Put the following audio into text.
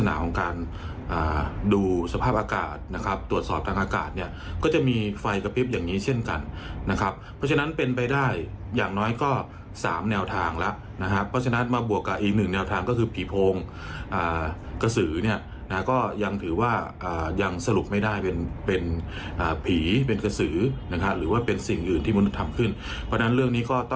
อ่าดูสภาพอากาศนะครับตรวจสอบทางอากาศเนี่ยก็จะมีไฟกระพริบอย่างงี้เช่นกันนะครับเพราะฉะนั้นเป็นไปได้อย่างน้อยก็สามแนวทางแล้วนะฮะเพราะฉะนั้นมาบวกกับอีกหนึ่งแนวทางก็คือผีพงอ่ากระสือเนี่ยนะฮะก็ยังถือว่าอ่ายังสรุปไม่ได้เป็